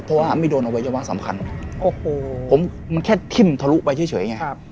เพราะว่ามันไม่โดนเอาไว้เฉพาะสำคัญโอ้โหผมมันแค่ทิ้มทะลุไปเฉยเฉยไงครับ